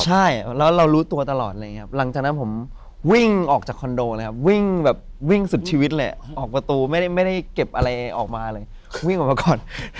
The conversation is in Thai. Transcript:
ใช่แล้วเรารู้ตัวตลอดอะไรอย่างนี้ครับหลังจากนั้นผมวิ่งออกจากคอนโดเลยครับวิ่งแบบวิ่งสุดชีวิตเลยออกประตูไม่ได้เก็บอะไรออกมาเลยวิ่งออกมาก่อน